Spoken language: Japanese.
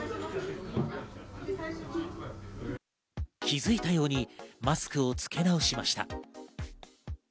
気づいたようにマスクを着け直しました。